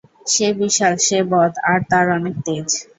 সে বিশাল, সে বদ, আর তার অনেক তেজ।